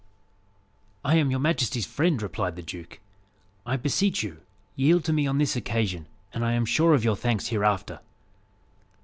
"I am your majesty's friend," replied the duke. "I beseech you, yield to me on this occasion, and I am sure of your thanks hereafter."